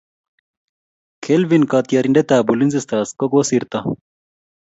Kelvin katiarindet ab Ulinzi stars ko kosirto